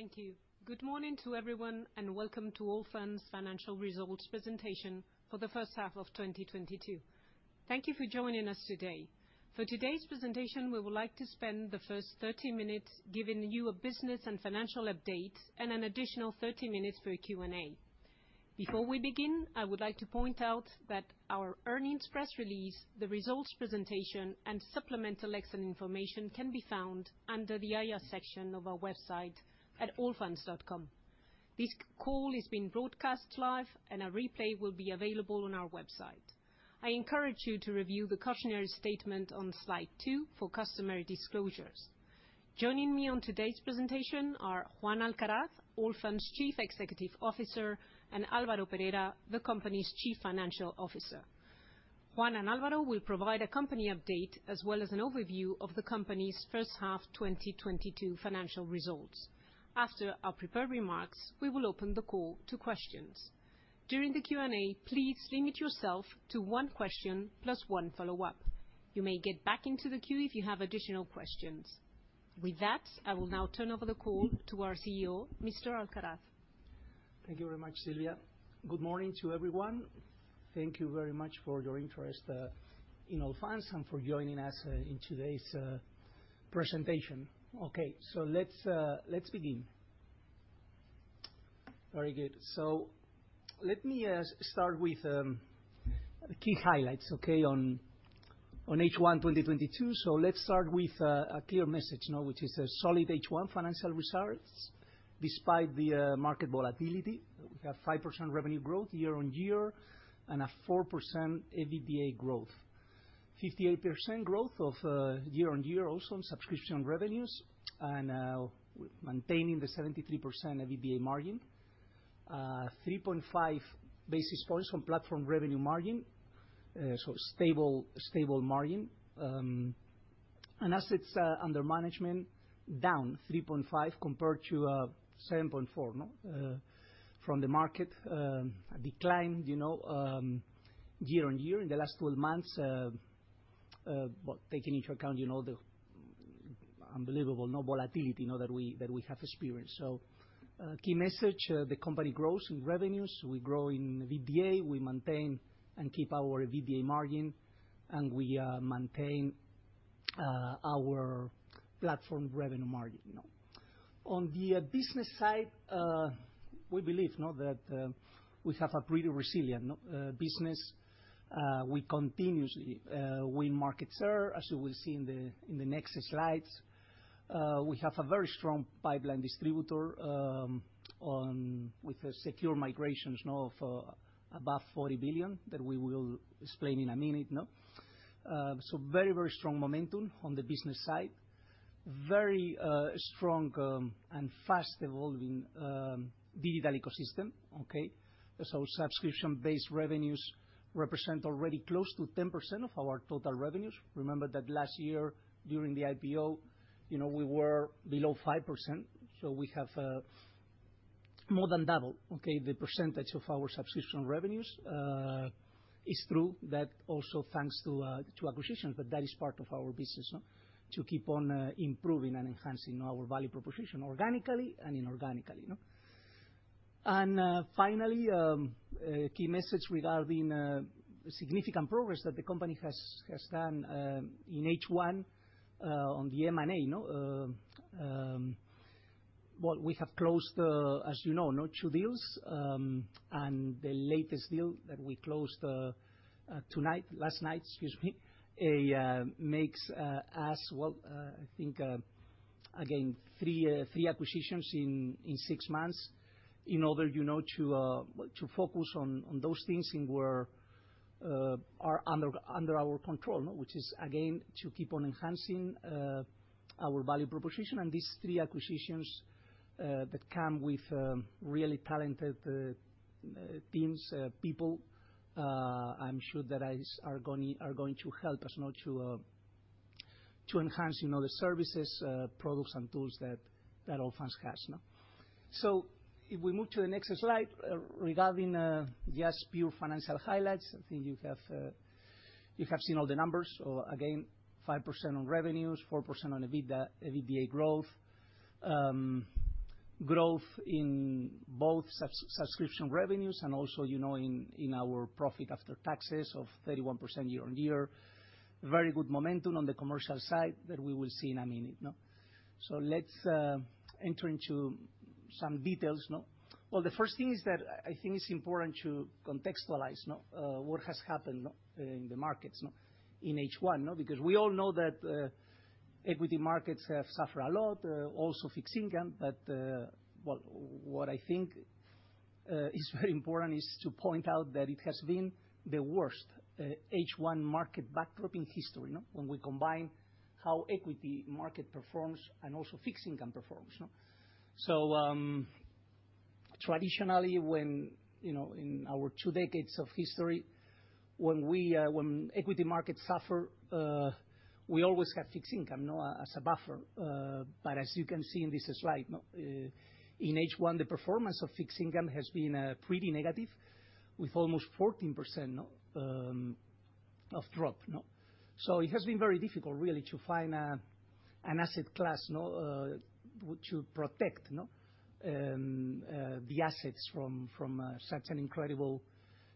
Thank you. Good morning to everyone, and welcome to Allfunds Group Financial Results presentation for the first half of 2022. Thank you for joining us today. For today's presentation, we would like to spend the first 30 minutes giving you a business and financial update, and an additional 30 minutes for a Q&A. Before we begin, I would like to point out that our earnings press release, the results presentation, and supplemental Excel information can be found under the IR section of our website at allfunds.com. This call is being broadcast live, and a replay will be available on our website. I encourage you to review the cautionary statement on slide two for customary disclosures. Joining me on today's presentation are Juan Alcaraz, Allfunds Chief Executive Officer, and Alvaro Perera, the company's Chief Financial Officer. Juan and Alvaro will provide a company update as well as an overview of the company's first-half 2022 financial results. After our prepared remarks, we will open the call to questions. During the Q&A, please limit yourself to one question plus one follow-up. You may get back into the queue if you have additional questions. With that, I will now turn over the call to our CEO, Mr. Alcaraz. Thank you very much, Silvia. Good morning to everyone. Thank you very much for your interest in Allfunds and for joining us in today's presentation. Let's begin. Very good. Let me start with key highlights on H1 2022. Let's start with a clear message now, which is a solid H1 financial results despite the market volatility. We have 5% revenue growth year-on-year and a 4% EBITDA growth. 58% growth year-on-year also in subscription revenues and maintaining the 73% EBITDA margin. 3.5 basis points from platform revenue margin, stable margin. Assets under management down 3.5% compared to 7.4%. From the market, a decline, you know, year-on-year in the last 12 months, well, taking into account, you know, the unbelievable no volatility, you know, that we have experienced. Key message, the company grows in revenues. We grow in EBITDA. We maintain and keep our EBITDA margin, and we maintain our platform revenue margin. On the business side, we believe now that we have a pretty resilient business. We continuously win market share, as you will see in the next slides. We have a very strong pipeline distributor on with the secure migrations now of above 40 billion that we will explain in a minute, you know. So very, very strong momentum on the business side. Very strong and fast evolving digital ecosystem, okay. Subscription-based revenues represent already close to 10% of our total revenues. Remember that last year during the IPO, you know, we were below 5%. We have more than double, okay, the percentage of our subscription revenues. It's true that also thanks to acquisitions, but that is part of our business, no? To keep on improving and enhancing our value proposition organically and inorganically, you know. Finally, a key message regarding significant progress that the company has done in H1 on the M&A, you know. Well, we have closed, as you know, now two deals. The latest deal that we closed last night, excuse me, makes us, well, I think, again, three acquisitions in six months in order, you know, to focus on those things that are under our control. Which is again, to keep on enhancing our value proposition and these three acquisitions that come with really talented teams, people, I'm sure that are going to help us now to enhancing all the services, products, and tools that Allfunds has, no? If we move to the next slide, regarding just pure financial highlights, I think you have seen all the numbers. Again, 5% on revenues, 4% on EBITDA growth. Growth in both sub-subscription revenues and also, you know, in our profit after taxes of 31% year-over-year. Very good momentum on the commercial side that we will see in a minute, no? Let's enter into some details, no? Well, the first thing is that I think it's important to contextualize, no, what has happened, no, in the markets, no, in H1, no, because we all know that equity markets have suffered a lot, also fixed income. Well, what I think is very important is to point out that it has been the worst H1 market backdrop in history, you know, when we combine how equity market performs and also fixed income performs, no? Traditionally, when, you know, in our two decades of history, when equity markets suffer, we always have fixed income, no, as a buffer. But as you can see in this slide, no, in H1, the performance of fixed income has been pretty negative with almost 14% drop, no? It has been very difficult really to find an asset class, no, which will protect, no, the assets from such an incredible,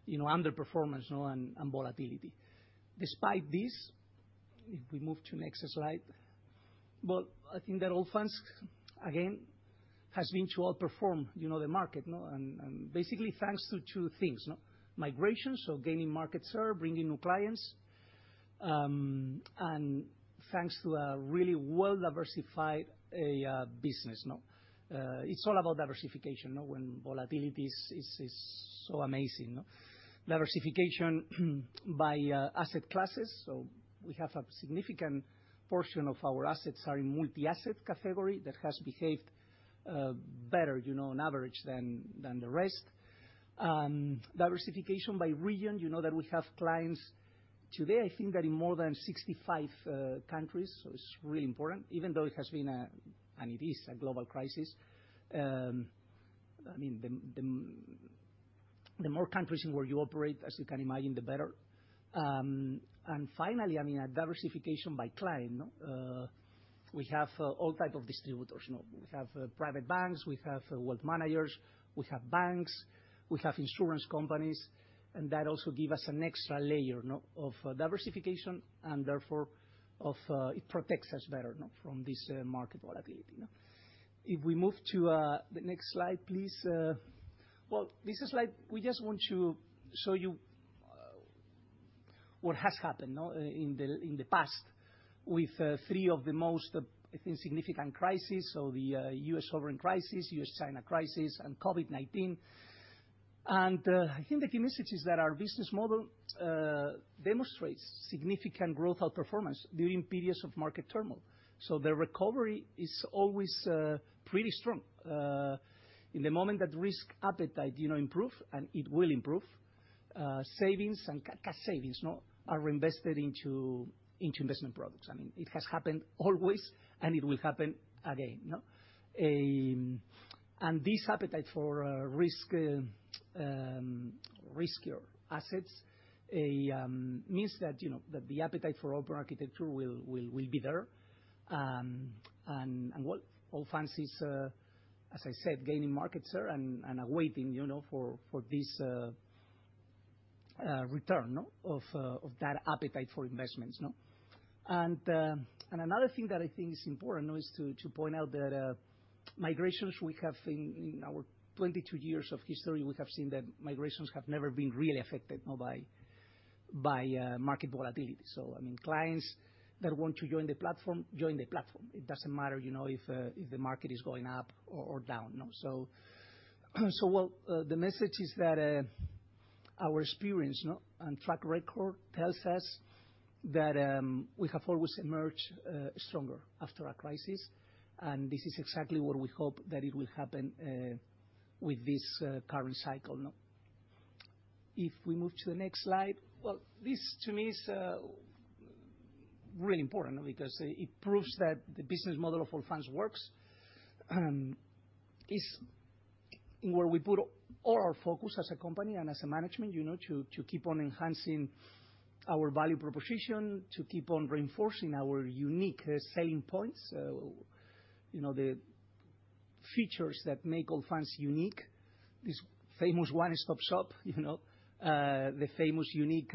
you know, underperformance, no, and volatility. Despite this, if we move to next slide. I think that Allfunds, again, has able to outperform, you know, the market, no? And basically, thanks to two things, no? Migration, so gaining market share, bringing new clients. And thanks to a really well-diversified business, no? It's all about diversification, no, when volatility is so amazing, no? Diversification by asset classes. We have a significant portion of our assets are in multi-asset category that has behaved better, you know, on average than the rest. Diversification by region, you know that we have clients today, I think that in more than 65 countries, so it's really important. Even though it has been a and it is a global crisis, I mean, the more countries in where you operate, as you can imagine, the better. Finally, I mean, a diversification by client, no? We have all type of distributors, no? We have private banks, we have wealth managers, we have banks, we have insurance companies, and that also give us an extra layer of diversification and therefore it protects us better from this market volatility. If we move to the next slide, please. Well, this is like we just want to show you what has happened in the past with three of the most I think significant crisis. The U.S. sovereign crisis, U.S.-China crisis, and COVID-19. I think the key message is that our business model demonstrates significant growth outperformance during periods of market turmoil. The recovery is always pretty strong. In the moment that risk appetite, you know, improve, and it will improve, savings and cash savings are invested into investment products. I mean, it has happened always, and it will happen again, no? This appetite for riskier assets means that, you know, the appetite for open architecture will be there. What Allfunds is, as I said, gaining market share and awaiting, you know, for this return of that appetite for investments, no? Another thing that I think is important, no, is to point out that migrations, in our 22 years of history, we have seen that migrations have never been really affected, no, by market volatility. I mean, clients that want to join the platform join the platform. It doesn't matter, you know, if the market is going up or down, no? Well, the message is that our experience and track record tells us that we have always emerged stronger after a crisis, and this is exactly what we hope that it will happen with this current cycle, no? If we move to the next slide. Well, this to me is really important because it proves that the business model of Allfunds works, is where we put all our focus as a company and as a management, you know, to keep on enhancing our value proposition, to keep on reinforcing our unique selling points. You know, the features that make Allfunds unique, this famous one-stop shop, you know, the famous unique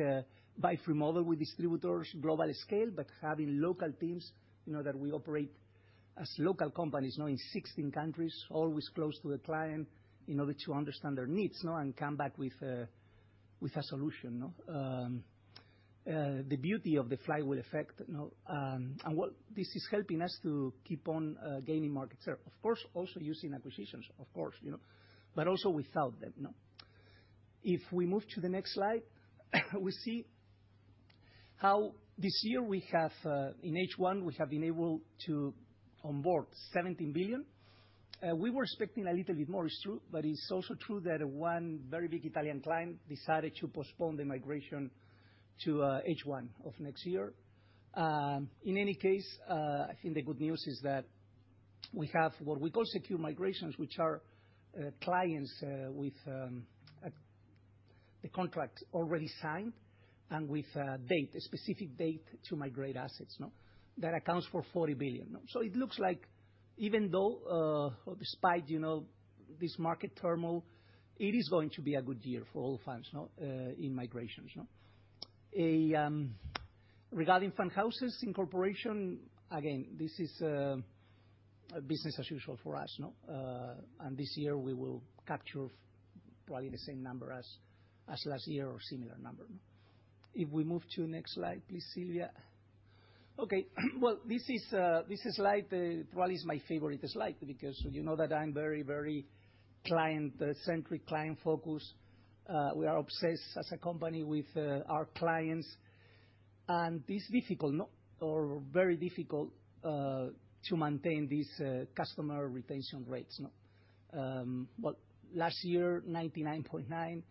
buy-free model with distributors, global scale, but having local teams, you know, that we operate as local companies in 16 countries, always close to the client in order to understand their needs, and come back with a solution. The beauty of the flywheel effect and what this is helping us to keep on gaining market share. Of course, also using acquisitions, of course, you know, but also without them. If we move to the next slide, we see how this year in H1 we have been able to onboard 17 billion. We were expecting a little bit more, it's true, but it's also true that one very big Italian client decided to postpone the migration to H1 of next year. In any case, I think the good news is that we have what we call secure migrations, which are clients with the contract already signed and with a date, a specific date to migrate assets, no? That accounts for 40 billion, no? So it looks like even though or despite, you know, this market turmoil, it is going to be a good year for Allfunds, no, in migrations, no? Regarding fund houses incorporation, again, this is a business as usual for us, no? And this year, we will capture probably the same number as last year or similar number. If we move to next slide, please, Silvia. Okay. Well, this is slide probably is my favorite slide because you know that I'm very client-centric, client-focused. We are obsessed as a company with our clients. It's difficult, no, or very difficult to maintain these customer retention rates, no? Last year, 99.9%,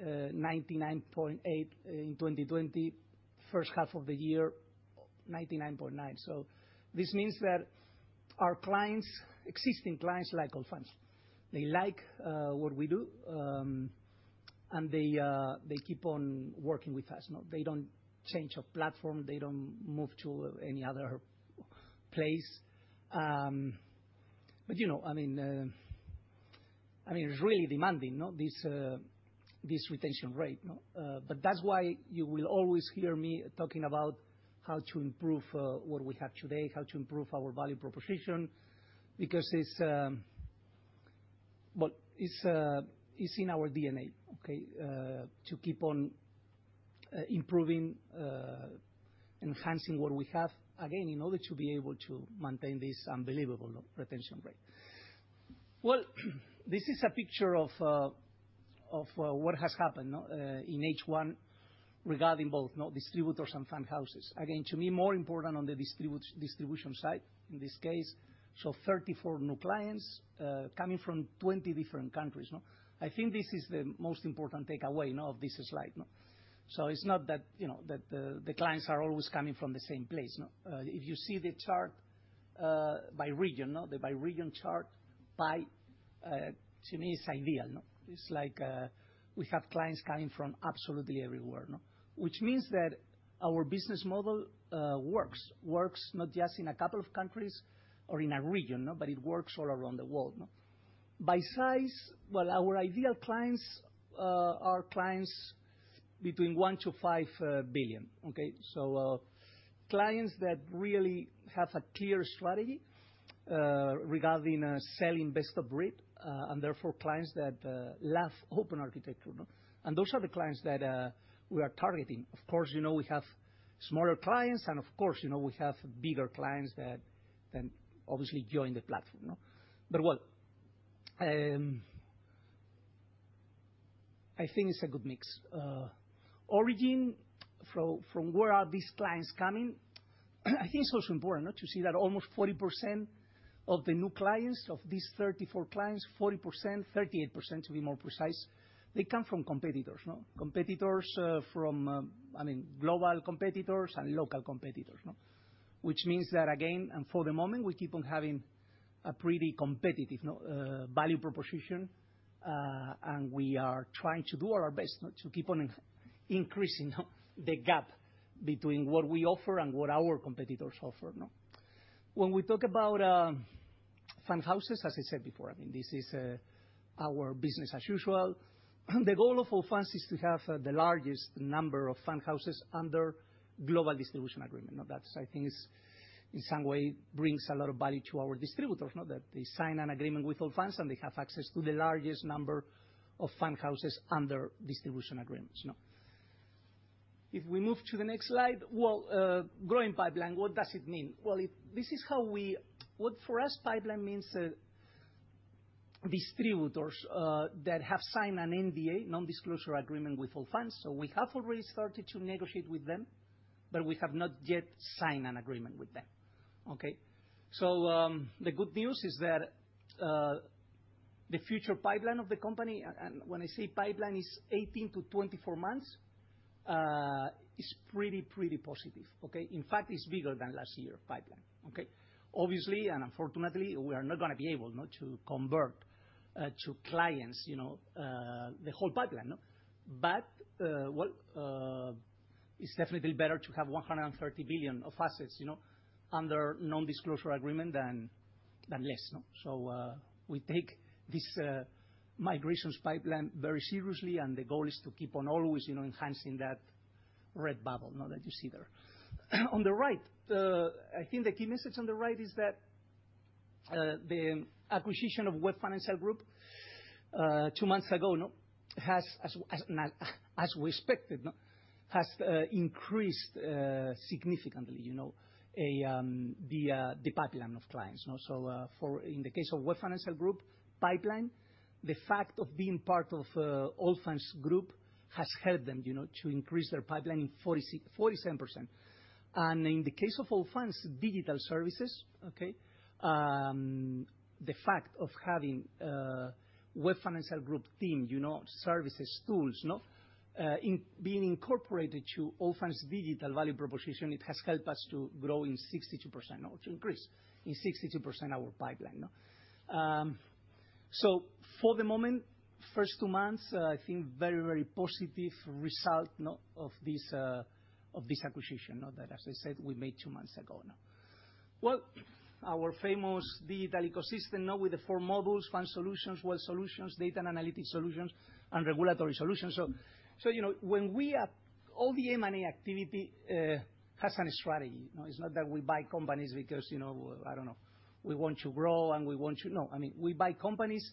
99.8% in 2020. First half of the year 99.9%. So this means that our clients, existing clients, like Allfunds. They like what we do, and they keep on working with us. No, they don't change our platform. They don't move to any other place. You know, I mean, it's really demanding, you know, this retention rate, you know. That's why you will always hear me talking about how to improve what we have today, how to improve our value proposition, because it's in our DNA, okay, to keep on improving, enhancing what we have, again, in order to be able to maintain this unbelievable retention rate. Well, this is a picture of what has happened in H1 regarding both, you know, distributors and fund houses. Again, to me, more important on the distribution side, in this case. 34 new clients coming from 20 different countries. I think this is the most important takeaway, you know, of this slide. It's not that, you know, the clients are always coming from the same place. If you see the chart by region, you know, the by region chart, to me it's ideal. It's like, we have clients coming from absolutely everywhere. Which means that our business model works. Works not just in a couple of countries or in a region, but it works all around the world. By size, well, our ideal clients are clients between 1-5 billion, okay? So, clients that really have a clear strategy regarding selling best of breed, and therefore clients that love open architecture. Those are the clients that we are targeting. Of course, you know, we have smaller clients, and of course, you know, we have bigger clients that obviously join the platform. Well, I think it's a good mix. Origin, from where are these clients coming? I think it's also important to see that almost 40% of the new clients, of these 34 clients, 40%, 38% to be more precise, they come from competitors. Competitors from, I mean, global competitors and local competitors. Which means that, again, and for the moment, we keep on having a pretty competitive value proposition, and we are trying to do our best to keep on increasing the gap between what we offer and what our competitors offer. When we talk about fund houses, as I said before, I mean, this is our business as usual. The goal of Allfunds is to have the largest number of fund houses under global distribution agreement. That I think is, in some way, brings a lot of value to our distributors, you know, that they sign an agreement with Allfunds, and they have access to the largest number of fund houses under distribution agreements. If we move to the next slide. Well, growing pipeline, what does it mean? Well, what for us pipeline means, distributors that have signed an NDA, non-disclosure agreement with Allfunds. So we have already started to negotiate with them, but we have not yet signed an agreement with them. Okay? So, the good news is that, the future pipeline of the company, and when I say pipeline, is 18-24 months, is pretty positive, okay? In fact, it's bigger than last year pipeline, okay? Obviously, unfortunately, we are not gonna be able to convert to clients, you know, the whole pipeline. Well, it's definitely better to have 130 billion of assets, you know, under non-disclosure agreement than less. We take this migrations pipeline very seriously, and the goal is to keep on always, you know, enhancing that red bubble that you see there. On the right, I think the key message on the right is that the acquisition of Web Financial Group two months ago, you know, has, as we expected, increased significantly, you know, the pipeline of clients. In the case of Web Financial Group pipeline, the fact of being part of Allfunds Group has helped them, you know, to increase their pipeline 47%. In the case of Allfunds digital services, the fact of having a Web Financial Group team, you know, services, tools, you know, in being incorporated to Allfunds digital value proposition, it has helped us to grow in 62% or to increase in 62% our pipeline. For the moment, first two months, I think very positive result of this acquisition, you know, that, as I said, we made two months ago now. Our famous digital ecosystem, you know, with the four modules, fund solutions, wealth solutions, data and analytics solutions, and regulatory solutions. You know, when we have. All the M&A activity has a strategy. You know, it's not that we buy companies because, you know, I don't know, we want to grow and we want to. No. I mean, we buy companies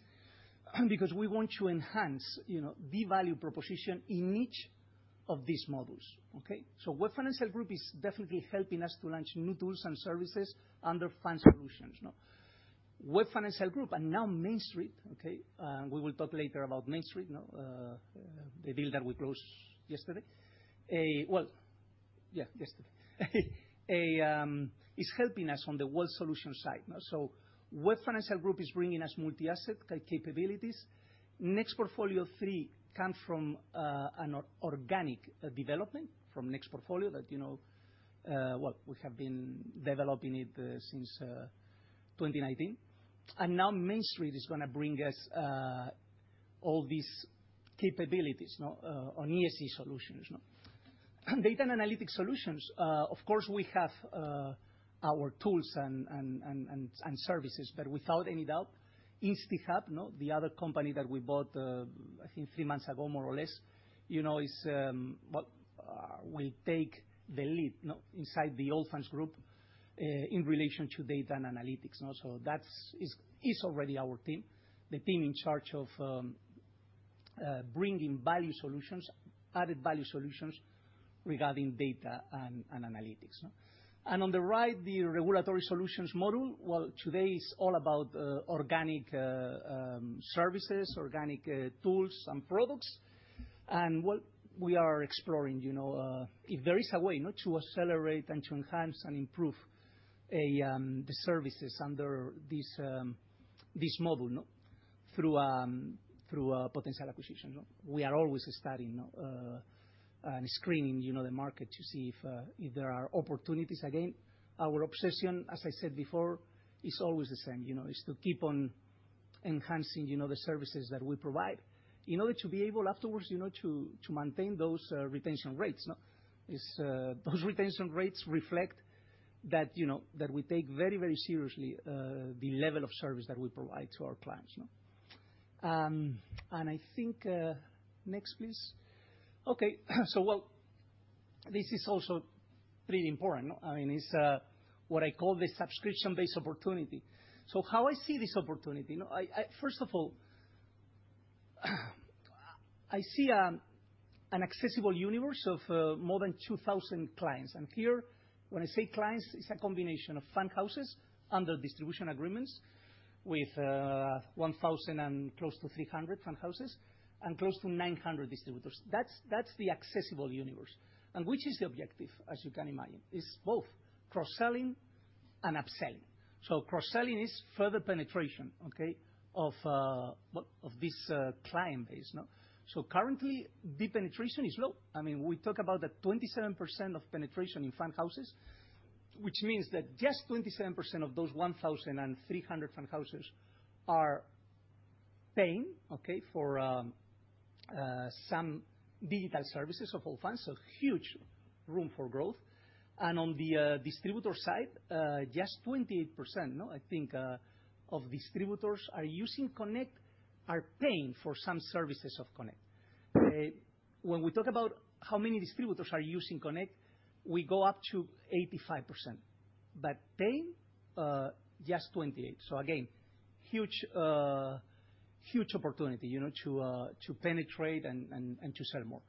because we want to enhance, you know, the value proposition in each of these modules, okay? Web Financial Group is definitely helping us to launch new tools and services under fund solutions. Web Financial Group and now MainStreet Partners, okay, and we will talk later about MainStreet Partners, you know, the deal that we closed yesterday is helping us on the wealth solutions side. Web Financial Group is bringing us multi-asset capabilities. Nextportfolio3 comes from an organic development from Nextportfolio that, you know, well, we have been developing it since 2019. Now MainStreet is gonna bring us all these capabilities on ESG solutions. Data and analytics solutions. Of course, we have our tools and services, but without any doubt, instiHub, the other company that we bought, I think three months ago, more or less, you know, is what will take the lead inside the Allfunds Group in relation to data and analytics. That's already our team, the team in charge of bringing value solutions, added value solutions regarding data and analytics. On the right, the regulatory solutions model. Well, today is all about organic services, organic tools and products, and what we are exploring, you know, if there is a way, no, to accelerate and to enhance and improve the services under this model, no? Through a potential acquisition, no? We are always studying and screening, you know, the market to see if there are opportunities. Again, our obsession, as I said before, is always the same, you know, is to keep on enhancing, you know, the services that we provide in order to be able afterwards, you know, to maintain those retention rates. No? Those retention rates reflect that, you know, that we take very, very seriously the level of service that we provide to our clients, no? I think next, please. Okay. Well, this is also pretty important. No? I mean, it's what I call the subscription-based opportunity. How I see this opportunity, no? First of all, I see an accessible universe of more than 2,000 clients. Here, when I say clients, it's a combination of fund houses under distribution agreements with 1,000 and close to 300 fund houses and close to 900 distributors. That's the accessible universe. Which is the objective, as you can imagine? It's both cross-selling and upselling. Cross-selling is further penetration, okay, of well, of this client base, no? Currently deep penetration is low. I mean, we talk about that 27% of penetration in fund houses, which means that just 27% of those 1,300 fund houses are paying, okay, for some digital services of Allfunds, so huge room for growth. On the distributor side, just 28%, no, I think, of distributors are using Connect, are paying for some services of Connect. When we talk about how many distributors are using Connect, we go up to 85%, but paying just 28%. Again, huge opportunity, you know, to penetrate and to sell more.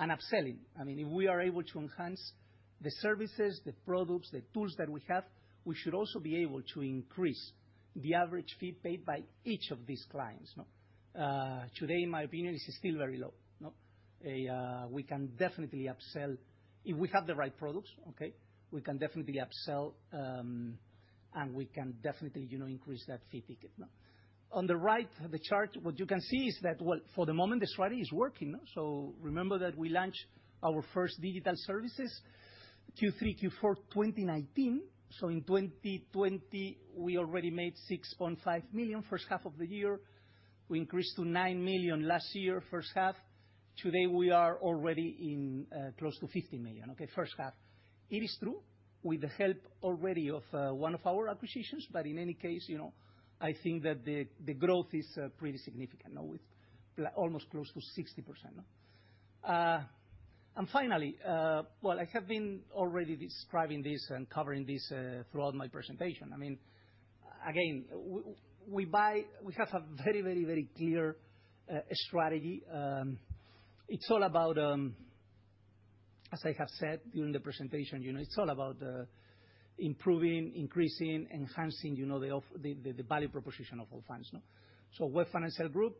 Upselling, I mean, if we are able to enhance the services, the products, the tools that we have, we should also be able to increase the average fee paid by each of these clients, no? Today, in my opinion, this is still very low, no? We can definitely upsell if we have the right products. Okay? We can definitely upsell, and we can definitely, you know, increase that fee ticket, no? On the right, the chart, what you can see is that, well, for the moment the strategy is working. Remember that we launched our first digital services Q3, Q4 2019. In 2020 we already made 6.5 million first half of the year. We increased to 9 million last year, first half. Today, we are already in close to 15 million, okay, first half. It is true with the help already of one of our acquisitions, but in any case, you know, I think that the growth is pretty significant, no? With almost close to 60%, no? I have been already describing this and covering this throughout my presentation. I mean, again, we have a very clear strategy. It's all about, as I have said during the presentation, you know, it's all about improving, increasing, enhancing, you know, the value proposition of Allfunds, no? Web Financial Group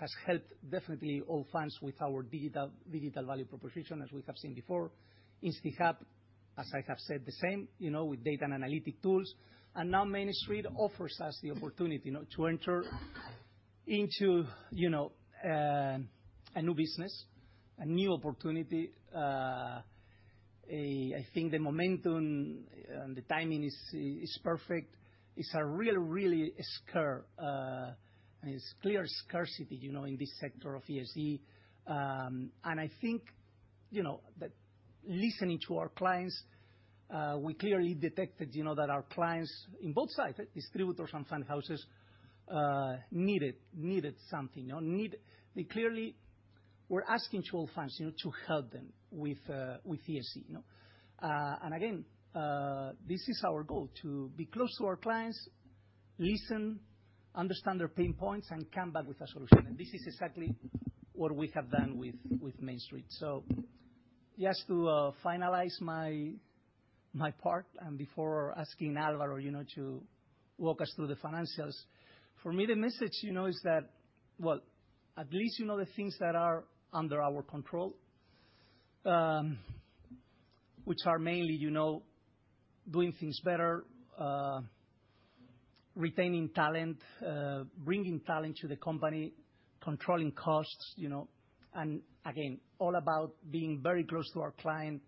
has helped definitely Allfunds with our digital value proposition, as we have seen before. instiHub, as I have said the same, you know, with data and analytic tools. Now MainStreet offers us the opportunity, no, to enter into, you know, a new business, a new opportunity. I think the momentum and the timing is perfect. It's really scarce, it's clear scarcity, you know, in this sector of ESG. I think, you know, that listening to our clients, we clearly detected, you know, that our clients in both sides, distributors and fund houses, needed something. They clearly were asking Allfunds, you know, to help them with ESG, you know? Again, this is our goal, to be close to our clients, listen, understand their pain points, and come back with a solution. This is exactly what we have done with MainStreet. Just to finalize my part, and before asking Alvaro, you know, to walk us through the financials, for me, the message, you know, is that, well, at least the things that are under our control, which are mainly, you know, doing things better, retaining talent, bringing talent to the company, controlling costs, you know. Again, all about being very close to our client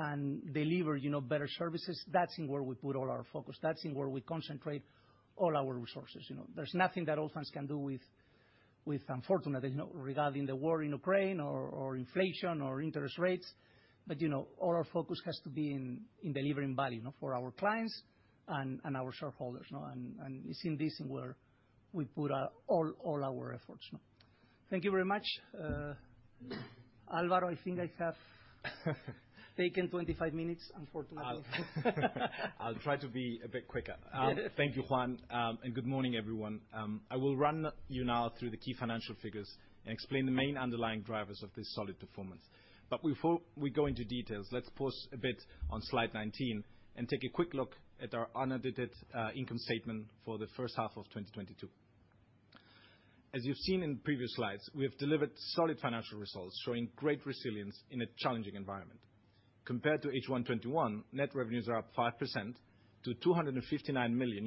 and deliver, you know, better services. That's where we put all our focus. That's where we concentrate all our resources, you know? There's nothing that Allfunds can do, unfortunately, you know, regarding the war in Ukraine or inflation or interest rates. You know, all our focus has to be in delivering value, you know, for our clients and our shareholders, you know. It's in this where we put all our efforts, you know. Thank you very much. Alvaro, I think I have taken 25 minutes, unfortunately. I'll try to be a bit quicker. Yeah. Thank you, Juan. Good morning, everyone. I will run you now through the key financial figures and explain the main underlying drivers of this solid performance. Before we go into details, let's pause a bit on slide 19 and take a quick look at our unaudited income statement for the first half of 2022. As you've seen in previous slides, we have delivered solid financial results, showing great resilience in a challenging environment. Compared to H1 2021, net revenues are up 5% to 259 million.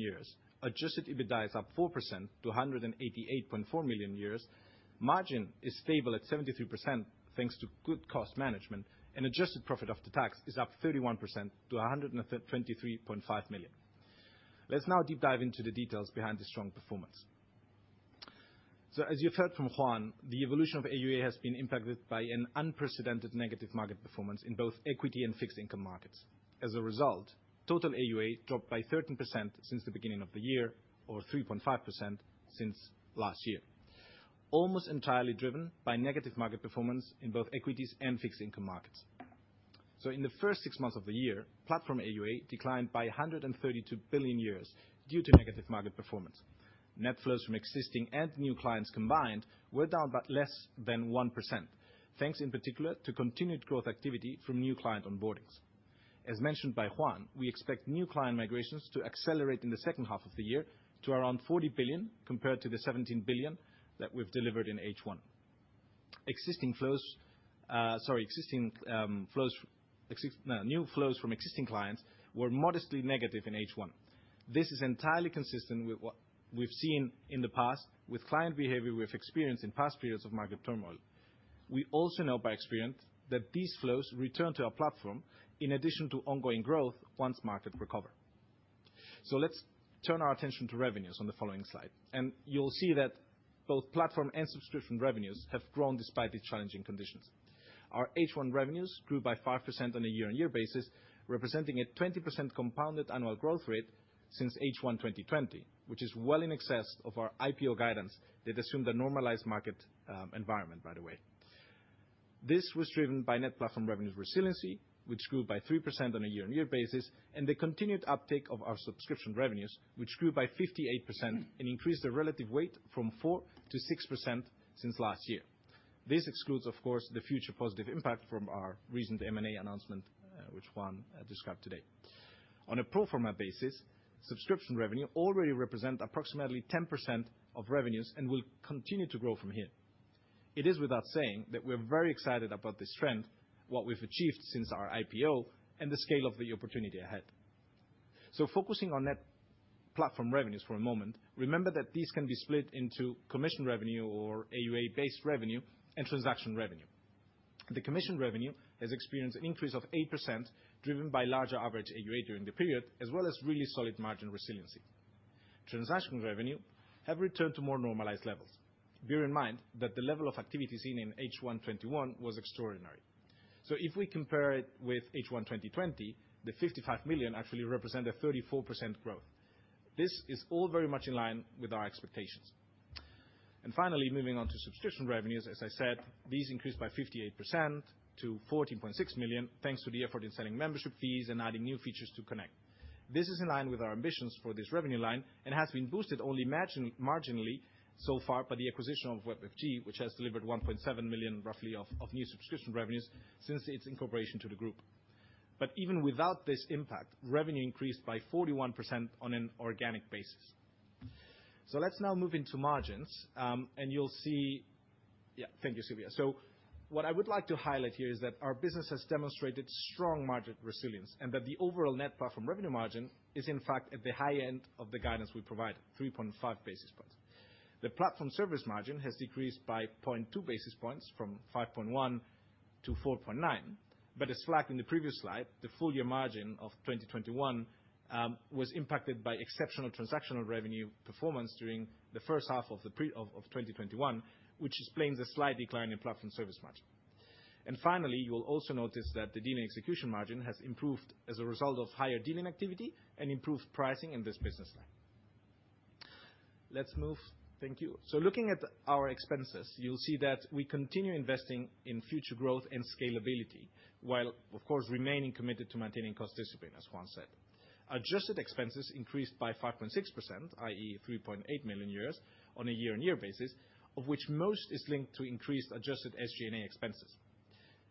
Adjusted EBITDA is up 4% to 188.4 million. Margin is stable at 73%, thanks to good cost management. Adjusted profit after tax is up 31% to 123.5 million. Let's now deep dive into the details behind the strong performance. As you've heard from Juan, the evolution of AUA has been impacted by an unprecedented negative market performance in both equity and fixed income markets. As a result, total AUA dropped by 13% since the beginning of the year, or 3.5% since last year. Almost entirely driven by negative market performance in both equities and fixed income markets. In the first six months of the year, platform AUA declined by 132 billion due to negative market performance. Net flows from existing and new clients combined were down by less than 1%, thanks in particular to continued growth activity from new client onboardings. As mentioned by Juan, we expect new client migrations to accelerate in the second half of the year to around 40 billion, compared to the 17 billion that we've delivered in H1. New flows from existing clients were modestly negative in H1. This is entirely consistent with what we've seen in the past with client behavior we have experienced in past periods of market turmoil. We also know by experience that these flows return to our platform in addition to ongoing growth once markets recover. Let's turn our attention to revenues on the following slide, and you'll see that both platform and subscription revenues have grown despite these challenging conditions. Our H1 revenues grew by 5% on a year-on-year basis, representing a 20% compounded annual growth rate since H1 2020, which is well in excess of our IPO guidance that assumed a normalized market environment, by the way. This was driven by net platform revenues resiliency, which grew by 3% on a year-on-year basis, and the continued uptake of our subscription revenues, which grew by 58% and increased the relative weight from 4%-6% since last year. This excludes, of course, the future positive impact from our recent M&A announcement, which Juan described today. On a pro forma basis, subscription revenue already represent approximately 10% of revenues and will continue to grow from here. It goes without saying that we're very excited about this trend, what we've achieved since our IPO, and the scale of the opportunity ahead. Focusing on net platform revenues for a moment, remember that these can be split into commission revenue or AUA-based revenue and transaction revenue. The commission revenue has experienced an increase of 8%, driven by larger average AUA during the period, as well as really solid margin resiliency. Transaction revenue have returned to more normalized levels. Bear in mind that the level of activity seen in H1 2021 was extraordinary. If we compare it with H1 2020, the 55 million actually represent a 34% growth. This is all very much in line with our expectations. Finally, moving on to subscription revenues, as I said, these increased by 58% to 14.6 million, thanks to the effort in selling membership fees and adding new features to Connect. This is in line with our ambitions for this revenue line and has been boosted only marginally so far by the acquisition of WebFG, which has delivered 1.7 million roughly of new subscription revenues since its incorporation to the group. Even without this impact, revenue increased by 41% on an organic basis. Let's now move into margins, and you'll see. Yeah, thank you, Silvia. What I would like to highlight here is that our business has demonstrated strong margin resilience and that the overall net platform revenue margin is in fact at the high end of the guidance we provide, 3.5 basis points. The platform service margin has decreased by 0.2 basis points from 5.1% to 4.9%, but as flagged in the previous slide, the full year margin of 2021 was impacted by exceptional transactional revenue performance during the first half of 2021, which explains the slight decline in platform service margin. Finally, you will also notice that the dealing execution margin has improved as a result of higher dealing activity and improved pricing in this business line. Let's move. Thank you. Looking at our expenses, you'll see that we continue investing in future growth and scalability, while of course remaining committed to maintaining cost discipline, as Juan said. Adjusted expenses increased by 5.6%, i.e., 3.8 million on a year-on-year basis, of which most is linked to increased adjusted SG&A expenses.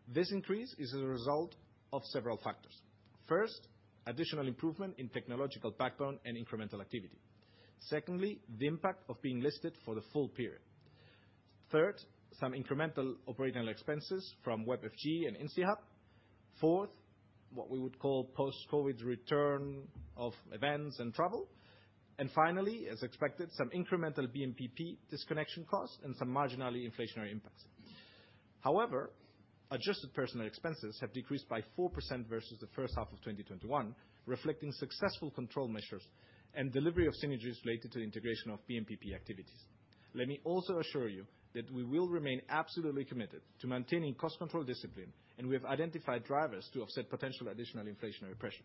This increase is a result of several factors. First, additional improvement in technological backbone and incremental activity. Secondly, the impact of being listed for the full period. Third, some incremental operational expenses from WebFG and instiHub. Fourth, what we would call post-COVID return of events and travel. Finally, as expected, some incremental BNPP disconnection costs and some marginally inflationary impacts. However, adjusted personal expenses have decreased by 4% versus the first half of 2021, reflecting successful control measures and delivery of synergies related to the integration of BNPP activities. Let me also assure you that we will remain absolutely committed to maintaining cost control discipline, and we have identified drivers to offset potential additional inflationary pressure.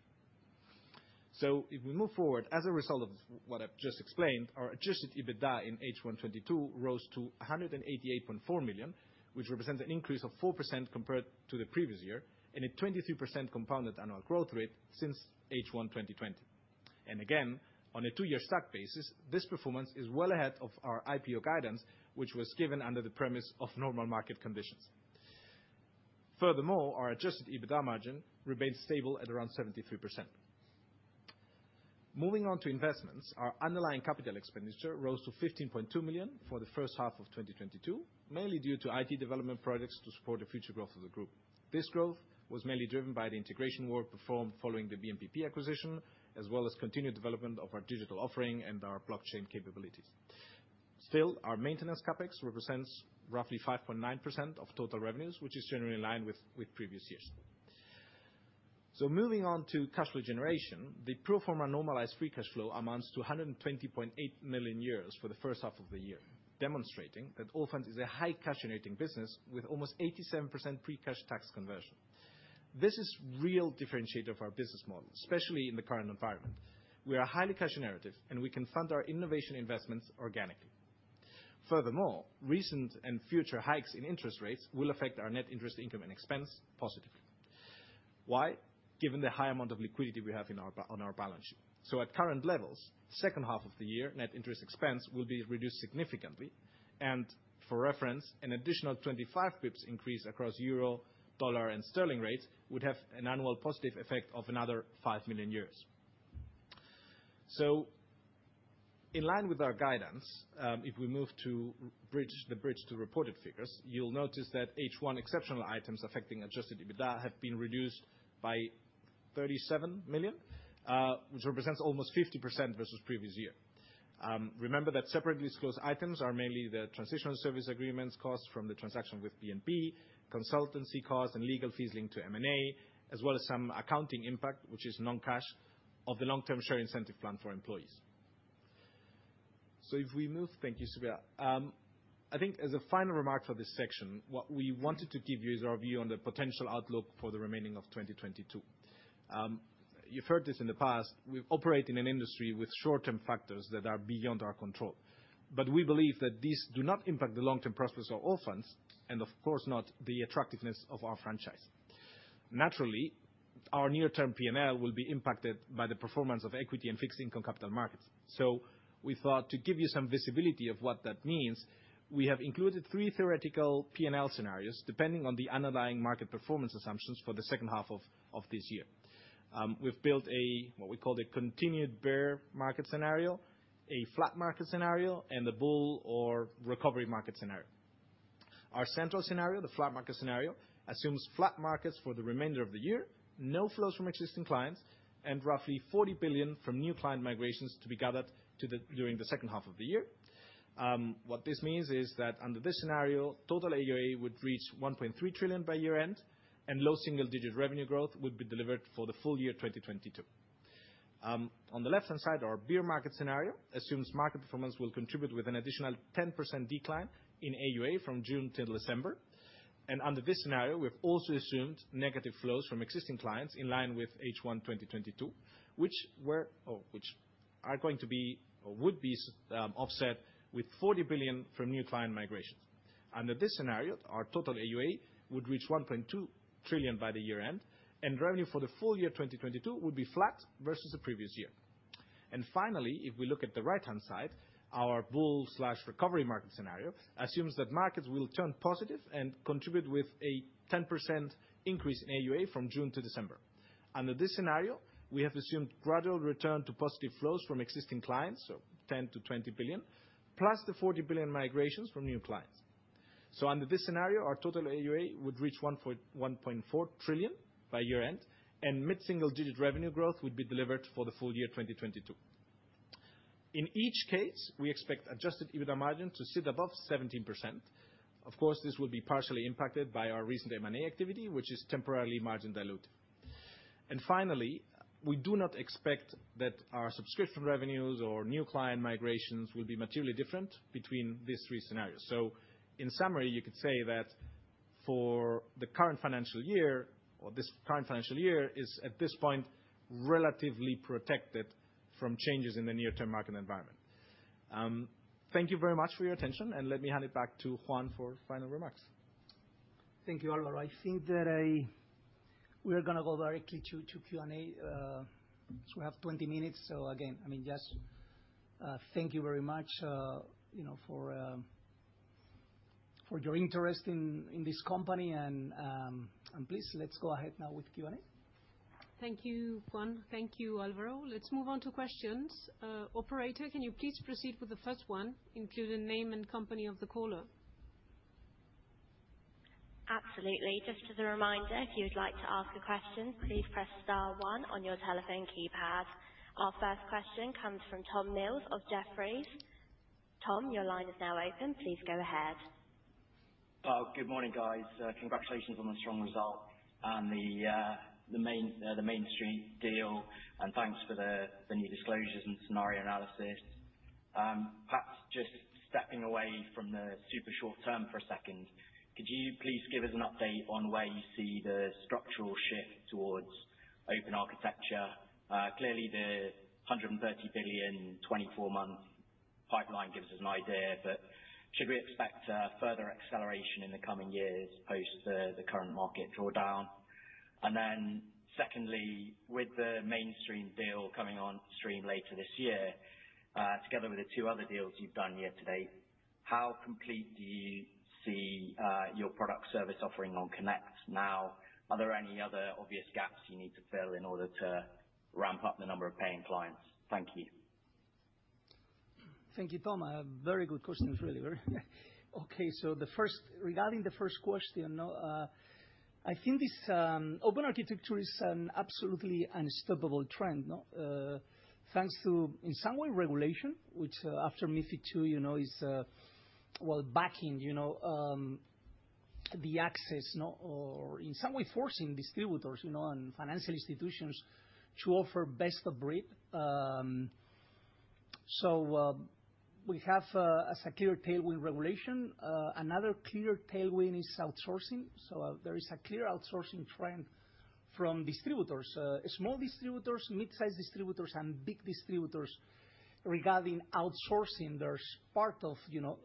If we move forward, as a result of what I've just explained, our adjusted EBITDA in H1 2022 rose to 188.4 million, which represents an increase of 4% compared to the previous year, and a 23% compounded annual growth rate since H1 2020. Again, on a two-year stack basis, this performance is well ahead of our IPO guidance, which was given under the premise of normal market conditions. Furthermore, our adjusted EBITDA margin remains stable at around 73%. Moving on to investments. Our underlying capital expenditure rose to 15.2 million for the first half of 2022, mainly due to IT development projects to support the future growth of the group. This growth was mainly driven by the integration work performed following the BNPP acquisition, as well as continued development of our digital offering and our blockchain capabilities. Still, our maintenance CapEx represents roughly 5.9% of total revenues, which is generally in line with previous years. Moving on to cash flow generation. The pro forma normalized free cash flow amounts to 120.8 million euros for the first half of the year, demonstrating that Orpheus is a high cash generating business with almost 87% pre-cash tax conversion. This is real differentiator of our business model, especially in the current environment. We are highly cash generative, and we can fund our innovation investments organically. Furthermore, recent and future hikes in interest rates will affect our net interest income and expense positively. Why? Given the high amount of liquidity we have on our balance sheet. At current levels, second half of the year, net interest expense will be reduced significantly. For reference, an additional 25 basis points increase across euro, dollar, and sterling rates would have an annual positive effect of another 5 million. In line with our guidance, if we move to bridge, the bridge to reported figures, you'll notice that H1 exceptional items affecting adjusted EBITDA have been reduced by 37 million, which represents almost 50% versus previous year. Remember that separately disclosed items are mainly the transitional service agreements costs from the transaction with BNP, consultancy costs, and legal fees linked to M&A, as well as some accounting impact, which is non-cash, of the long-term share incentive plan for employees. If we move. Thank you, Silvia. I think as a final remark for this section, what we wanted to give you is our view on the potential outlook for the remaining of 2022. You've heard this in the past. We operate in an industry with short-term factors that are beyond our control, but we believe that these do not impact the long-term prospects of Allfunds and, of course, not the attractiveness of our franchise. Naturally, our near-term P&L will be impacted by the performance of equity and fixed income capital markets. We thought to give you some visibility of what that means, we have included three theoretical P&L scenarios depending on the underlying market performance assumptions for the second half of this year. We've built what we call a continued bear market scenario, a flat market scenario, and a bull or recovery market scenario. Our central scenario, the flat market scenario, assumes flat markets for the remainder of the year, no flows from existing clients, and roughly 40 billion from new client migrations to be gathered during the second half of the year. What this means is that under this scenario, total AUA would reach 1.3 trillion by year-end, and low single-digit revenue growth would be delivered for the full year 2022. On the left-hand side, our bear market scenario assumes market performance will contribute with an additional 10% decline in AUA from June till December. Under this scenario, we've also assumed negative flows from existing clients in line with H1 2022, which are going to be or would be offset with 40 billion from new client migrations. Under this scenario, our total AUA would reach 1.2 trillion by year-end, and revenue for the full year 2022 would be flat versus the previous year. Finally, if we look at the right-hand side, our bull/recovery market scenario assumes that markets will turn positive and contribute with a 10% increase in AUA from June to December. Under this scenario, we have assumed gradual return to positive flows from existing clients, so 10 billion-20 billion, plus the 40 billion migrations from new clients. Under this scenario, our total AUA would reach 1.4 trillion by year-end, and mid-single-digit revenue growth would be delivered for the full year 2022. In each case, we expect adjusted EBITDA margin to sit above 17%. Of course, this will be partially impacted by our recent M&A activity, which is temporarily margin dilutive. Finally, we do not expect that our subscription revenues or new client migrations will be materially different between these three scenarios. In summary, you could say that for the current financial year is, at this point, relatively protected from changes in the near-term market environment. Thank you very much for your attention, and let me hand it back to Juan for final remarks. Thank you, Alvaro. We are gonna go directly to Q&A, so we have 20 minutes. Again, I mean, just, thank you very much, you know, for your interest in this company and please, let's go ahead now with Q&A. Thank you, Juan. Thank you, Alvaro. Let's move on to questions. Operator, can you please proceed with the first one, including name and company of the caller? Absolutely. Just as a reminder, if you would like to ask a question, please press star one on your telephone keypad. Our first question comes from Tom Mills of Jefferies. Tom, your line is now open. Please go ahead. Oh, good morning, guys. Congratulations on the strong result and the MainStreet deal, and thanks for the new disclosures and scenario analysis. Perhaps just stepping away from the super short-term for a second, could you please give us an update on where you see the structural shift towards open architecture? Clearly the 130 billion 24-month pipeline gives us an idea, but should we expect further acceleration in the coming years post the current market drawdown? Then secondly, with the MainStreet deal coming on stream later this year, together with the two other deals you've done year to date, how complete do you see your product service offering on Connect now? Are there any other obvious gaps you need to fill in order to ramp up the number of paying clients? Thank you. Thank you, Tom. Very good questions, really. Okay, regarding the first question, no, I think this open architecture is an absolutely unstoppable trend, no? Thanks to, in some way, regulation, which, after MiFID II, you know, is, well, backing, you know, the access, no, or in some way forcing distributors, you know, and financial institutions to offer best of breed. We have a secure tailwind regulation. Another clear tailwind is outsourcing. There is a clear outsourcing trend from distributors. Small distributors, mid-size distributors, and big distributors regarding outsourcing, there's part of, you know,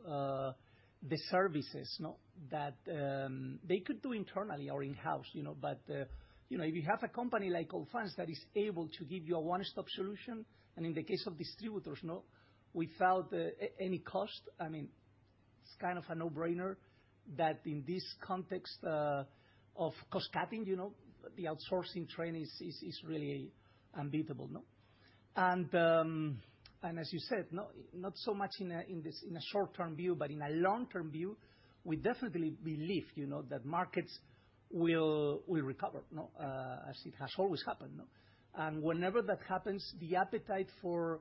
the services, no, that they could do internally or in-house, you know. You know, if you have a company like Allfunds that is able to give you a one-stop solution, and in the case of distributors, without any cost, I mean, it's kind of a no-brainer that in this context of cost-cutting, you know, the outsourcing trend is really unbeatable, no? As you said, not so much in a short-term view, but in a long-term view, we definitely believe, you know, that markets will recover, no, as it has always happened, no? Whenever that happens, the appetite for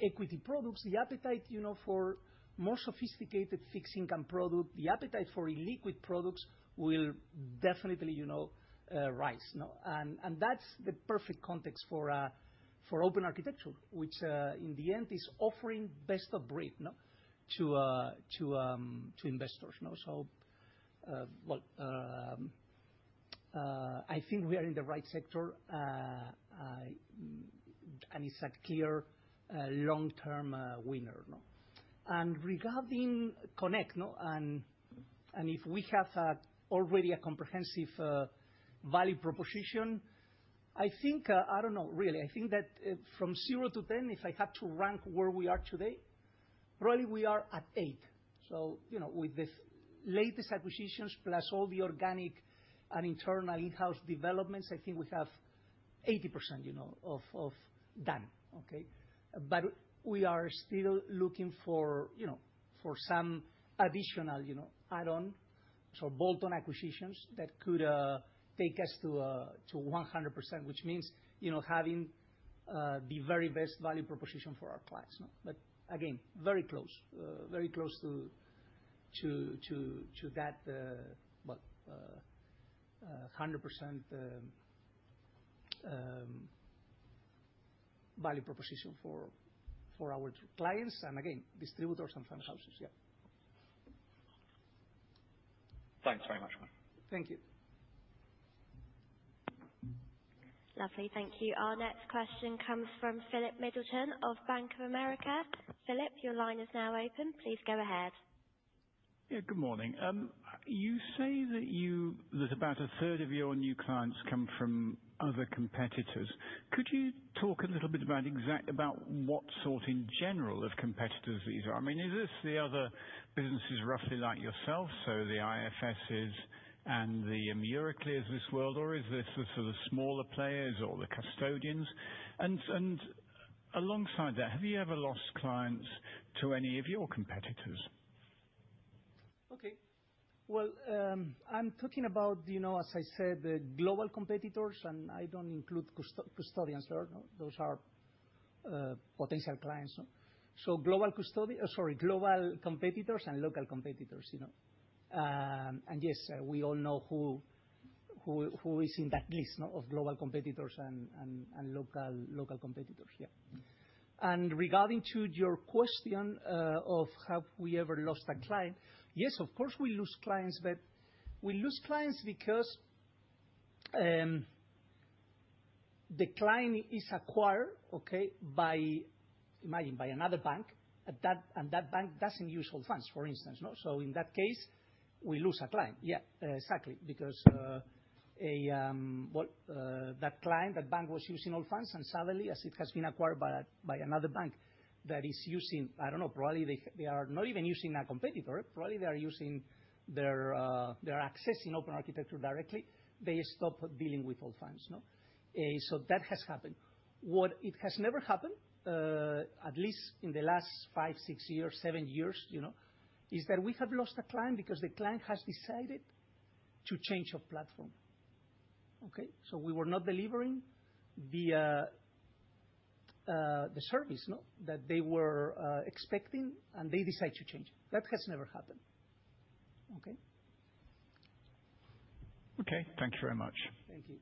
equity products, the appetite, you know, for more sophisticated fixed income product, the appetite for illiquid products will definitely, you know, rise, no? That's the perfect context for open architecture, which in the end is offering best of breed to investors, no? I think we are in the right sector. It's a clear long-term winner, no? Regarding Connect, if we have already a comprehensive value proposition, I think I don't know really. I think that from 0-10, if I had to rank where we are today, probably we are at 8. You know, with the latest acquisitions, plus all the organic and internal in-house developments, I think we have 80% done, okay? We are still looking for some additional add-on. Bolt-on acquisitions that could take us to 100%, which means, you know, having the very best value proposition for our clients, no? Again, very close to that 100% value proposition for our clients, and again, distributors and fund houses. Yeah. Thanks very much, Juan. Thank you. Lovely. Thank you. Our next question comes from Philip Middleton of Bank of America. Philip, your line is now open. Please go ahead. Yeah, good morning. You say that about a third of your new clients come from other competitors. Could you talk a little bit about what sort, in general, of competitors these are? I mean, is this the other businesses roughly like yourself, so the IFSs and the Euroclear of this world, or is this the sort of smaller players or the custodians? And alongside that, have you ever lost clients to any of your competitors? Okay. Well, I'm talking about, you know, as I said, the global competitors, and I don't include custodians. Those are potential clients, no? So global competitors and local competitors, you know. And yes, we all know who is in that list, no, of global competitors and local competitors. Yeah. Regarding to your question of have we ever lost a client? Yes, of course, we lose clients, but we lose clients because the client is acquired, okay, by maybe by another bank. And that bank doesn't use Allfunds, for instance, no? So in that case, we lose a client. Yeah, exactly. Because that client, that bank was using Allfunds, and suddenly, as it has been acquired by another bank that is using, I don't know, probably they are not even using our competitor, probably they are using their, they're accessing open architecture directly. They stop dealing with Allfunds, no? That has happened. What it has never happened, at least in the last five, six years, seven years, you know, is that we have lost a client because the client has decided to change our platform. Okay? We were not delivering the service, no? That they were expecting and they decide to change. That has never happened. Okay? Okay, thank you very much. Thank you.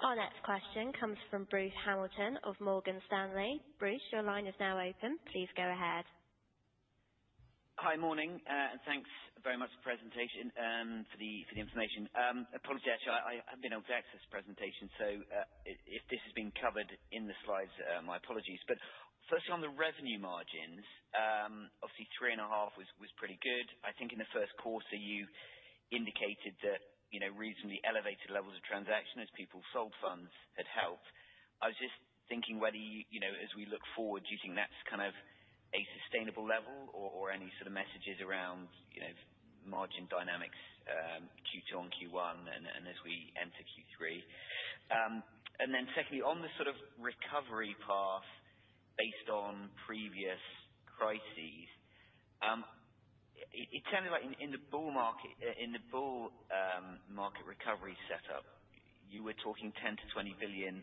Our next question comes from Bruce Hamilton of Morgan Stanley. Bruce, your line is now open. Please go ahead. Hi. Morning, and thanks very much for the presentation, for the information. I apologize, I haven't been able to access the presentation, so if this has been covered in the slides, my apologies. First, on the revenue margins, obviously 3.5% was pretty good. I think in the first quarter you indicated that, you know, recently elevated levels of transactions as people sold funds had helped. I was just thinking whether you know, as we look forward, do you think that's kind of a sustainable level or any sort of messages around, you know, margin dynamics, Q2 on Q1 and as we enter Q3? Secondly, on the sort of recovery path based on previous crises, it sounded like in the bull market recovery setup, you were talking 10 billion-20 billion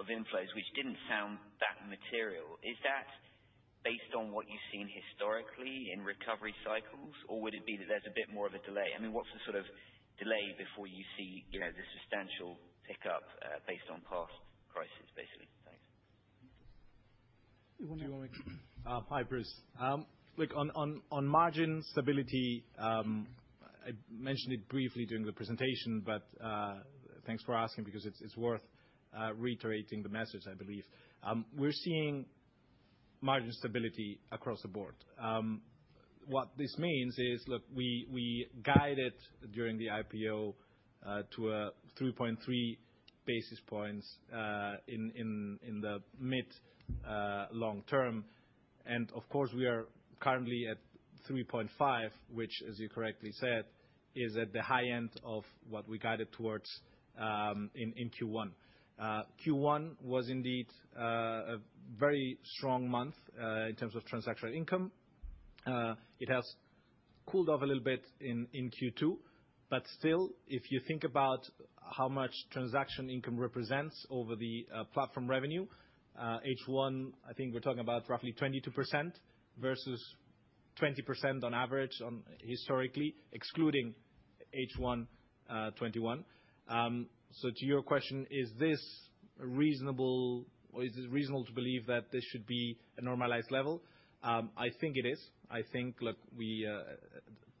of inflows, which didn't sound that material. Is that based on what you've seen historically in recovery cycles? Or would it be that there's a bit more of a delay? I mean, what's the sort of delay before you see, you know, the substantial pickup, based on past crises, basically? Thanks. Do you wanna- Hi, Bruce. Look, on margin stability, I mentioned it briefly during the presentation, but thanks for asking because it's worth reiterating the message, I believe. We're seeing margin stability across the board. What this means is, look, we guided during the IPO to 3.3 basis points in the mid long term. Of course, we are currently at 3.5, which as you correctly said, is at the high end of what we guided towards in Q1. Q1 was indeed a very strong month in terms of transactional income. It has cooled off a little bit in Q2, but still, if you think about how much transaction income represents of the platform revenue, H1, I think we're talking about roughly 22% versus 20% on average historically excluding H1 21. So to your question, is this reasonable to believe that this should be a normalized level? I think it is. I think, look,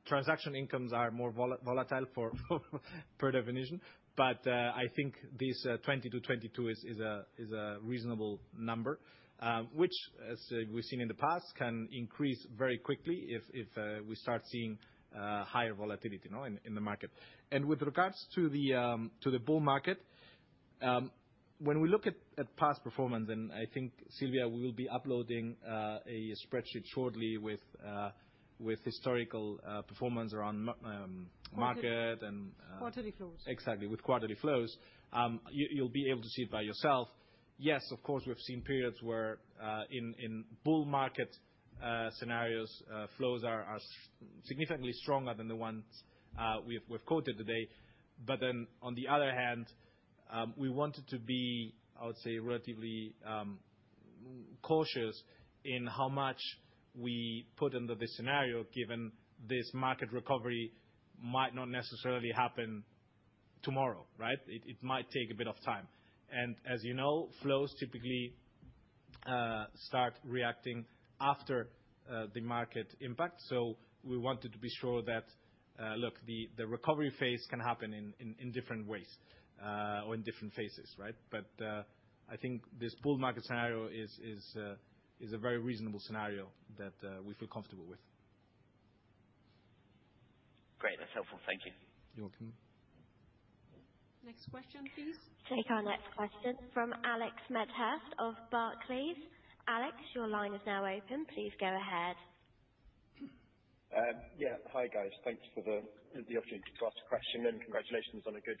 transaction incomes are more volatile by definition, but I think this 20%-22% is a reasonable number, which as we've seen in the past, can increase very quickly if we start seeing higher volatility, you know, in the market. With regards to the bull market, when we look at past performance, I think, Silvia, we'll be uploading a spreadsheet shortly with historical performance around market and- Quarterly flows. Exactly, with quarterly flows. You'll be able to see it by yourself. Yes, of course, we've seen periods where, in bull market scenarios, flows are significantly stronger than the ones we've quoted today. On the other hand, we wanted to be, I would say, relatively cautious in how much we put under this scenario, given this market recovery might not necessarily happen tomorrow, right? It might take a bit of time. As you know, flows typically start reacting after the market impact. We wanted to be sure that, look, the recovery phase can happen in different ways or in different phases, right? I think this bull market scenario is a very reasonable scenario that we feel comfortable with. Great. That's helpful. Thank you. You're welcome. Next question, please. Take our next question from Alex Medhurst of Barclays. Alex, your line is now open. Please go ahead. Yeah. Hi, guys. Thanks for the opportunity to ask a question, and congratulations on a good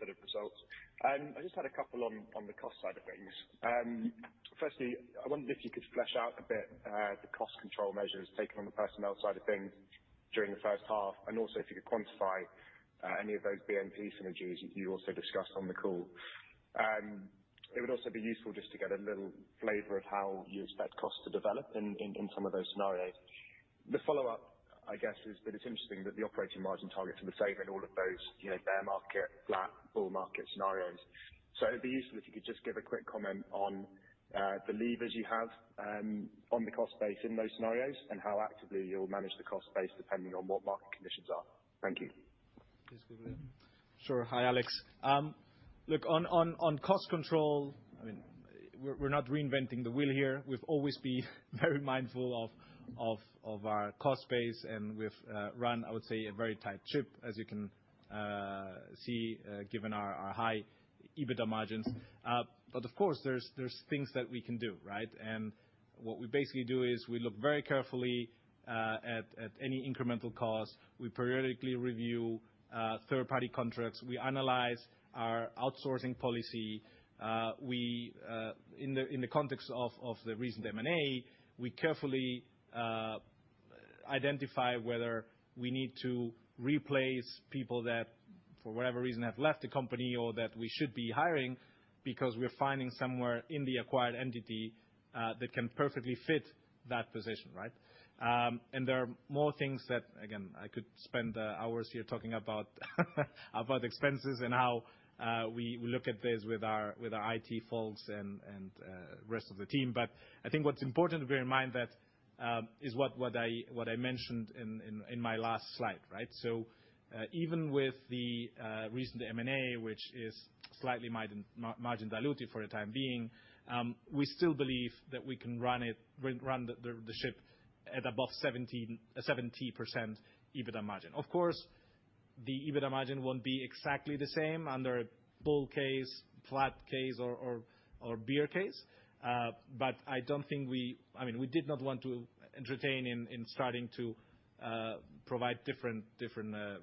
set of results. I just had a couple on the cost side of things. Firstly, I wondered if you could flesh out a bit the cost control measures taken on the personnel side of things during the first half, and also if you could quantify any of those BNPP synergies you also discussed on the call. It would also be useful just to get a little flavor of how you expect costs to develop in some of those scenarios. The follow-up, I guess, is that it's interesting that the operating margin targets are the same in all of those, you know, bear market, flat, bull market scenarios. It'd be useful if you could just give a quick comment on the levers you have on the cost base in those scenarios and how actively you'll manage the cost base depending on what market conditions are. Thank you. Sure. Hi, Alex. Look, on cost control, I mean, we're not reinventing the wheel here. We've always been very mindful of our cost base and we've run, I would say, a very tight ship, as you can see, given our high EBITDA margins. But of course, there's things that we can do, right? What we basically do is we look very carefully at any incremental cost. We periodically review third-party contracts. We analyze our outsourcing policy. We, in the context of the recent M&A, carefully identify whether we need to replace people that, for whatever reason, have left the company or that we should be hiring because we're finding somewhere in the acquired entity that can perfectly fit that position, right? There are more things that, again, I could spend hours here talking about expenses and how we look at this with our IT folks and rest of the team. I think what's important to bear in mind is what I mentioned in my last slide, right? Even with the recent M&A, which is slightly margin dilutive for the time being, we still believe that we can run the ship at above 70% EBITDA margin. Of course, the EBITDA margin won't be exactly the same under a bull case, flat case, or bear case. I don't think we. I mean, we did not want to entertain starting to provide different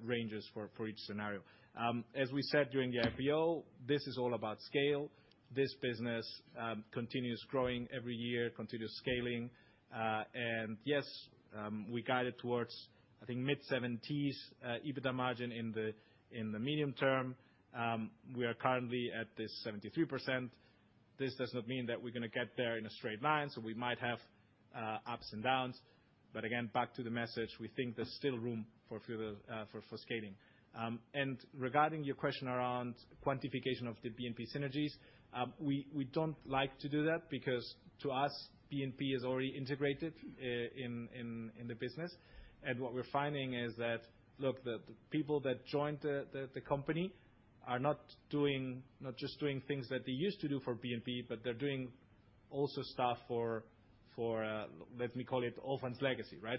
ranges for each scenario. As we said during the IPO, this is all about scale. This business continues growing every year, continues scaling. Yes, we guided towards, I think, mid-seventies EBITDA margin in the medium term. We are currently at this 73%. This does not mean that we're gonna get there in a straight line, so we might have ups and downs. Again, back to the message, we think there's still room for further scaling. Regarding your question around quantification of the BNP synergies, we don't like to do that because to us, BNP is already integrated in the business. What we're finding is that, look, the people that joined the company are not just doing things that they used to do for BNP, but they're doing also stuff for, let me call it Allfunds legacy, right?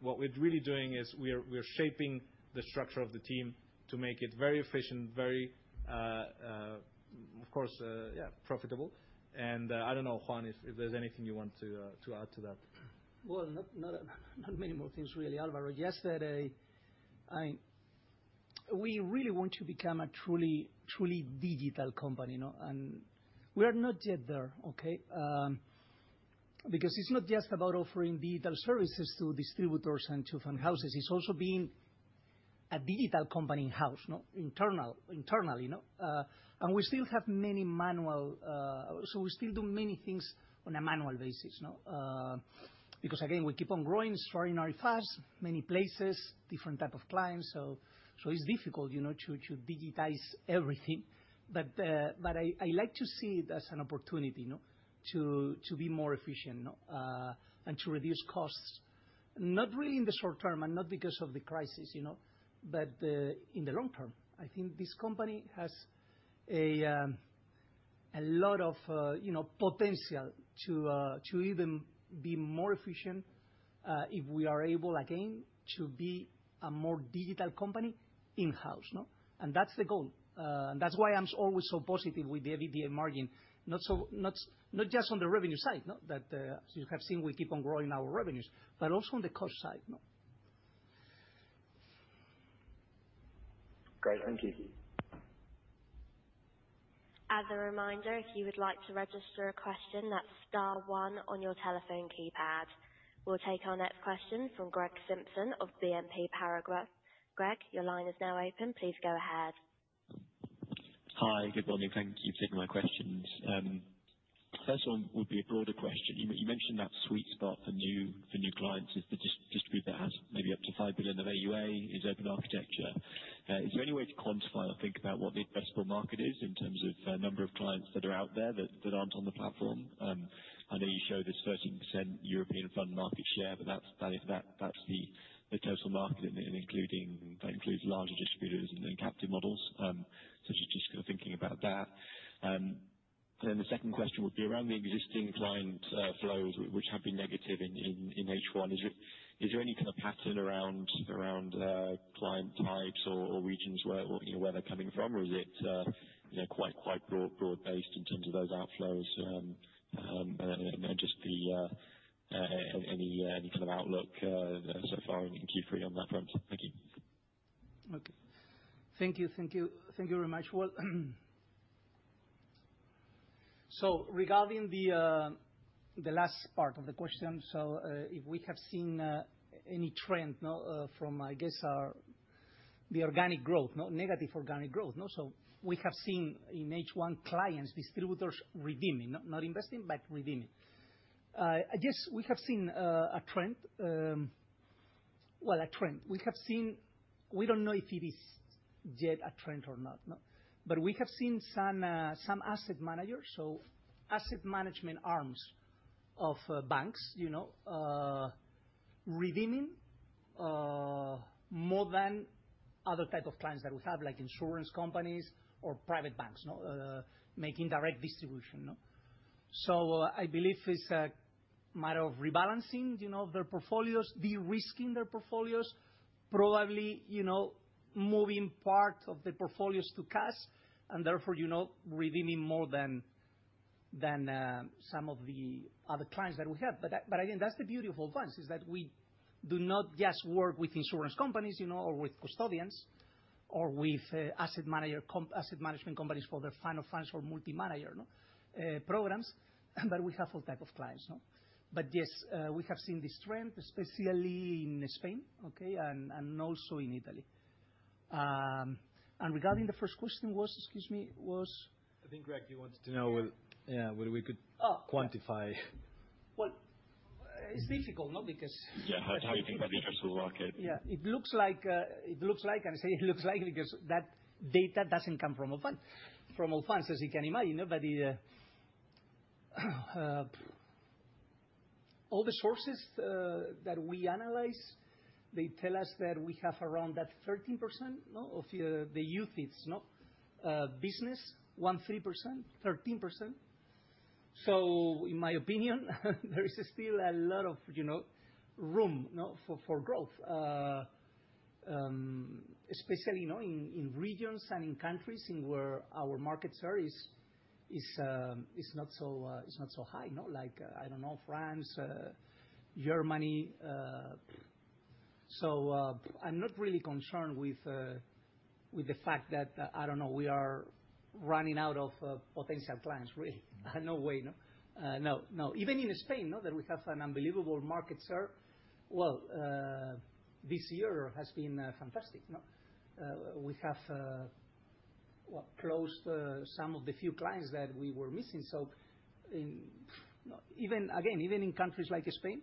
What we're really doing is we're shaping the structure of the team to make it very efficient, very, of course, profitable. I don't know, Juan, if there's anything you want to add to that. Well, not many more things, really, Alvaro. We really want to become a truly digital company, you know, and we are not yet there, okay? Because it's not just about offering digital services to distributors and to fund houses. It's also being a digital company in-house, you know, internally, you know. And we still have many manual. So we still do many things on a manual basis, you know. Because, again, we keep on growing extraordinarily fast, many places, different type of clients. So it's difficult, you know, to digitize everything. But I like to see it as an opportunity, you know, to be more efficient and to reduce costs. Not really in the short term and not because of the crisis, you know, but in the long term. I think this company has a lot of, you know, potential to even be more efficient if we are able, again, to be a more digital company in-house, you know? That's the goal. That's why I'm always so positive with the EBITDA margin. Not just on the revenue side, you know, that you have seen we keep on growing our revenues, but also on the cost side, you know? Great. Thank you. As a reminder, if you would like to register a question, that's star one on your telephone keypad. We'll take our next question from Greg Simpson of BNP Paribas. Greg, your line is now open. Please go ahead. Hi. Good morning. Thank you for taking my questions. First one would be a broader question. You mentioned that sweet spot for new clients is the distributor has maybe up to 5 billion of AUA is open architecture. Is there any way to quantify or think about what the addressable market is in terms of number of clients that are out there that aren't on the platform? I know you show this 13% European fund market share, but that's the total market including larger distributors and then captive models. Just kind of thinking about that. Then the second question would be around the existing client flows which have been negative in H1. Is there any kind of pattern around client types or regions where, you know, where they're coming from? Or is it, you know, quite broad-based in terms of those outflows? Just any kind of outlook so far in Q3 on that front. Thank you. Thank you very much. Well, regarding the last part of the question. If we have seen any trend from, I guess, the organic growth. No, negative organic growth, no? We have seen in H1 clients, distributors redeeming. Not investing, but redeeming. I guess we have seen a trend. We don't know if it is yet a trend or not, no. We have seen some asset managers. Asset management arms of banks, you know, redeeming more than other type of clients that we have, like insurance companies or private banks, no, making direct distribution, no. I believe it's a matter of rebalancing, you know, their portfolios, de-risking their portfolios, probably, you know, moving part of the portfolios to cash and therefore, you know, redeeming more than some of the other clients that we have. Again, that's the beauty of Allfunds, is that we do not just work with insurance companies, you know, or with custodians, or with asset management companies for their final funds or multi-manager programs, but we have all types of clients. Yes, we have seen this trend, especially in Spain, okay, and also in Italy. Regarding the first question, excuse me, I think Greg, he wants to know whether. Yeah. Yeah, whether we could- Oh. -quantify. Well, it's difficult. Yeah. How you think about the addressable market? Yeah. It looks like. I say it looks like, because that data doesn't come from Allfunds, as you can imagine. But all the sources that we analyze tell us that we have around that 13% of the business, 13%. So in my opinion, there is still a lot of, you know, room for growth, especially, you know, in regions and countries where our market share is not so high. Like, I don't know, France, Germany. So, I'm not really concerned with the fact that, I don't know, we are running out of potential clients really. No way, no. Even in Spain, we have an unbelievable market share. Well, this year has been fantastic. We have closed some of the few clients that we were missing. No. Even again in countries like Spain,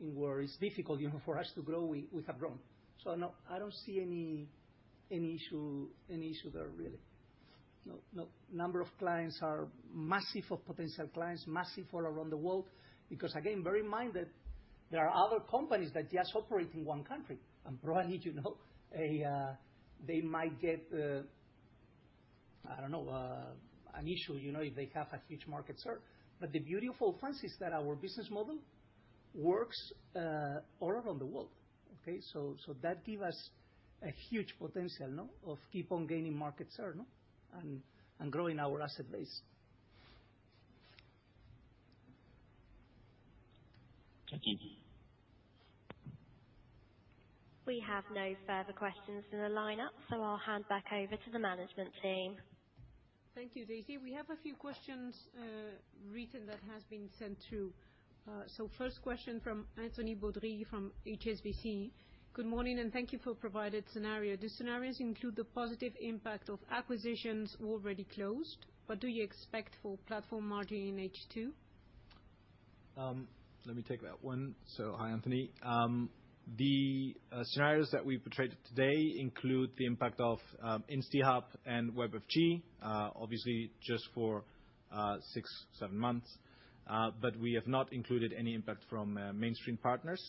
where it's difficult, you know, for us to grow, we have grown. No, I don't see any issue there really. No. The number of clients is massive, the number of potential clients is massive all around the world. Because again, bear in mind that there are other companies that just operate in one country and probably, you know, they might get an issue, you know, if they have a huge market share. The beauty of Allfunds is that our business model works all around the world. Okay. That give us a huge potential of keep on gaining market share and growing our asset base. Thank you. We have no further questions in the lineup, so I'll hand back over to the management team. Thank you, Daisy. We have a few questions written that has been sent through. First question from Anthony Boudry from HSBC. Good morning, and thank you for provided scenario. Do scenarios include the positive impact of acquisitions already closed? What do you expect for platform margin in H2? Let me take that one. Hi, Anthony. The scenarios that we portrayed today include the impact of instiHub and WebFG, obviously just for six, seven months. But we have not included any impact from MainStreet Partners.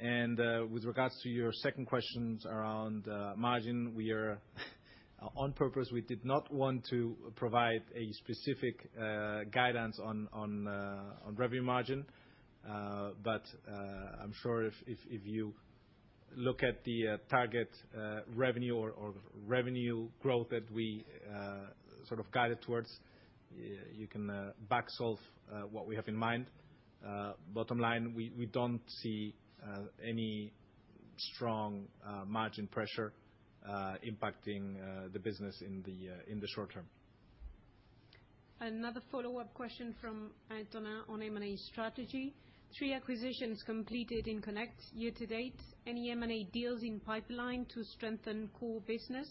With regards to your second question around margin, on purpose, we did not want to provide a specific guidance on revenue margin. I'm sure if you look at the target revenue or revenue growth that we sort of guided towards, you can back solve what we have in mind. Bottom line, we don't see any strong margin pressure impacting the business in the short term. Another follow-up question from Anthony Boudry on M&A strategy. Three acquisitions completed in Connect year to date. Any M&A deals in pipeline to strengthen core business?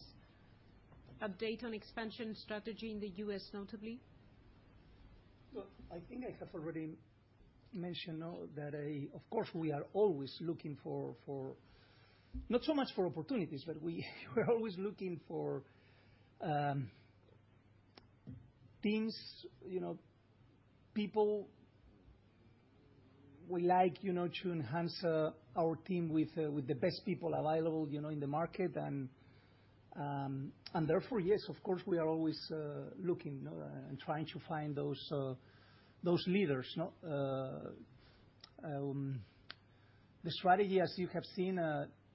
Update on expansion strategy in the U.S. notably? Look, I think I have already mentioned that. Of course, we are always looking, not so much for opportunities, but we're always looking for things, you know, people we like, you know, to enhance our team with the best people available, you know, in the market. Therefore, yes, of course, we are always looking and trying to find those leaders. The strategy, as you have seen,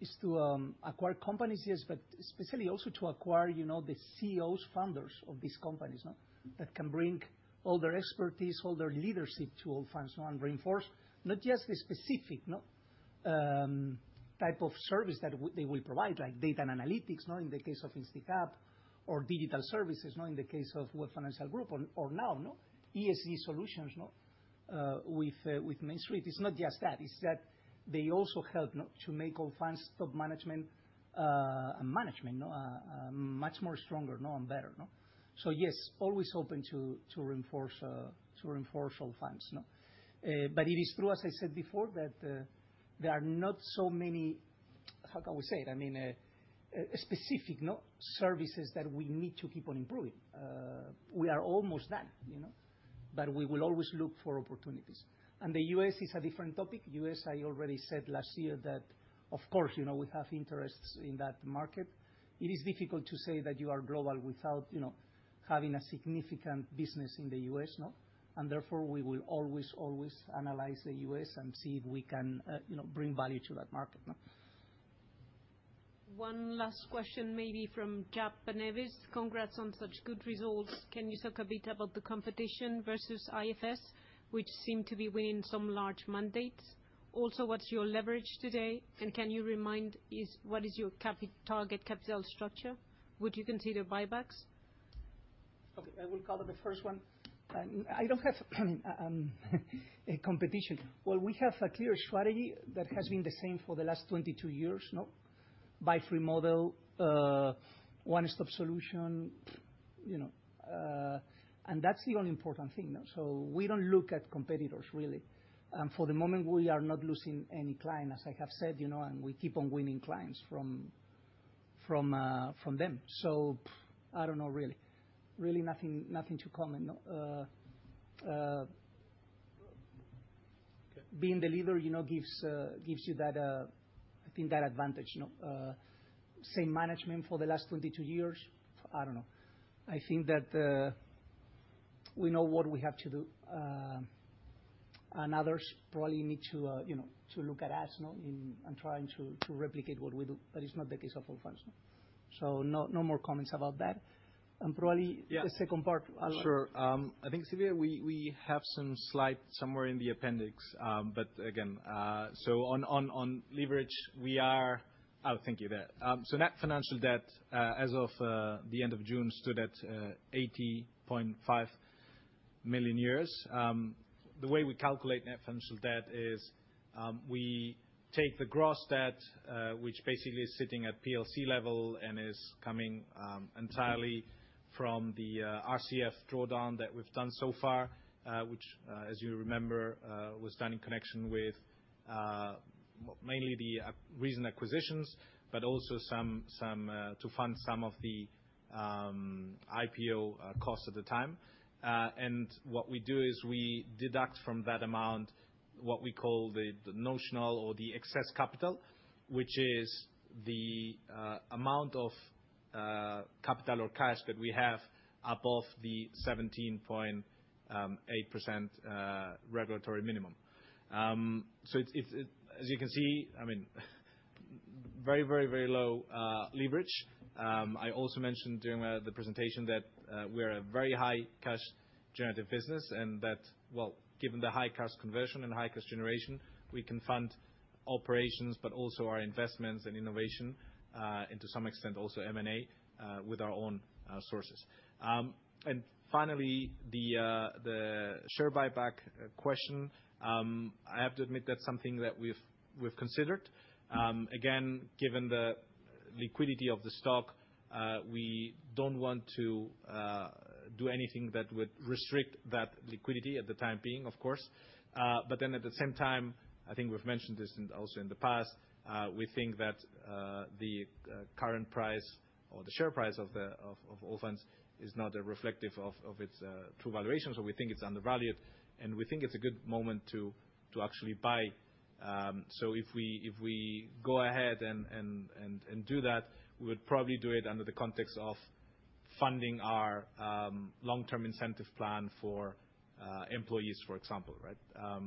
is to acquire companies, yes, but especially also to acquire, you know, the CEOs, founders of these companies that can bring all their expertise, all their leadership to Allfunds and reinforce not just the specific type of service that they will provide, like data and analytics in the case of instiHub, or digital services in the case of Web Financial Group or now ESG solutions with MainStreet Partners. It's not just that. It's that they also help to make Allfunds top management much more stronger and better. Yes, always open to reinforce Allfunds. It is true, as I said before, that there are not so many. I mean, specific services that we need to keep on improving. We are almost done, you know? We will always look for opportunities. The U.S. is a different topic. U.S., I already said last year that, of course, you know, we have interests in that market. It is difficult to say that you are global without, you know, having a significant business in the U.S., no? Therefore, we will always analyze the U.S. and see if we can, you know, bring value to that market. One last question, maybe from Jacques-Henri Maynevis. Congrats on such good results. Can you talk a bit about the competition versus IFS, which seem to be weighing some large mandates? Also, what's your leverage today, and can you remind us what is your target capital structure? Would you consider buybacks? Okay, I will cover the first one. I don't have a competition. Well, we have a clear strategy that has been the same for the last 22 years, no? Buy-free model, one-stop solution, you know. And that's the only important thing, no? We don't look at competitors really. For the moment, we are not losing any client, as I have said, you know, and we keep on winning clients from them. I don't know really. Really nothing to comment, no. Okay. Being the leader, you know, gives you that, I think that advantage, you know. Same management for the last 22 years. I don't know. I think that we know what we have to do. Others probably need to, you know, to look at us, trying to replicate what we do. It's not the case of Allfunds. No more comments about that. Yeah. The second part, Alvaro. Sure. I think, Silvia, we have some slides somewhere in the appendix. But again, on leverage, we are. Oh, thank you there. Net financial debt as of the end of June stood at 80.5 million. The way we calculate net financial debt is we take the gross debt, which basically is sitting at PLC level and is coming entirely from the RCF drawdown that we've done so far, which, as you remember, was done in connection with mainly the recent acquisitions, but also some to fund some of the IPO costs at the time. What we do is we deduct from that amount what we call the notional or the excess capital, which is the amount of capital or cash that we have above the 17.8% regulatory minimum. It, as you can see, I mean, very low leverage. I also mentioned during the presentation that we are a very high cash generative business and that, well, given the high cash conversion and high cash generation, we can fund operations, but also our investments in innovation and to some extent also M&A with our own sources. Finally, the share buyback question. I have to admit that's something that we've considered. Again, given the liquidity of the stock, we don't want to do anything that would restrict that liquidity for the time being, of course. At the same time, I think we've mentioned this also in the past, we think that the current price or the share price of Allfunds is not reflective of its true valuation. We think it's undervalued, and we think it's a good moment to actually buy. If we go ahead and do that, we would probably do it in the context of funding our long-term incentive plan for employees, for example, right?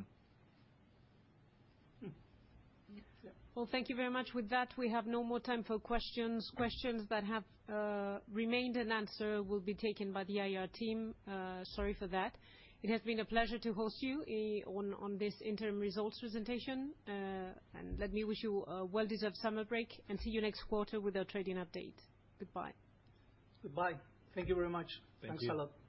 Well, thank you very much. With that, we have no more time for questions. Questions that have remained unanswered will be taken by the IR team. Sorry for that. It has been a pleasure to host you on this interim results presentation. Let me wish you a well-deserved summer break, and see you next quarter with our trading update. Goodbye. Goodbye. Thank you very much. Thank you. Thanks a lot. Thank you.